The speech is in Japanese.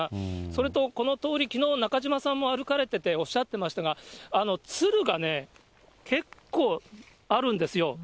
それとこの通り、きのう、中島さんも歩かれてて、おっしゃってましたが、つるがね、結構あるんですよ。